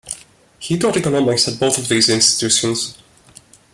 He taught economics at both of those institutions.